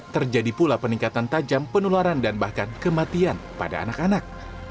terjadi pula peningkatan tajam penularan dan bahkan kematian pada anak anak